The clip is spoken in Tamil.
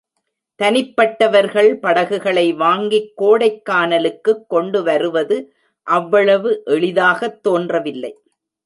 தனிப்பட்டவர்கள், படகுகளை வாங்கிக் கோடைக்கானலுக்குக் கொண்டு வருவது அவ்வளவு எளிதாகத் தோன்றவில்லை.